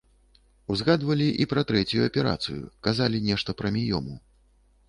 Узгадвалі і пра трэцюю аперацыю, казалі нешта пра міёму.